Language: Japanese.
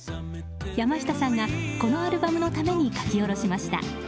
山下さんがこのアルバムのために書き下ろしました。